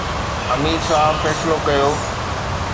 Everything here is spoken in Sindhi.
امير صاحب فيصلو ڪيو